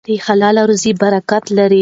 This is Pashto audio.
حلاله روزي برکت لري.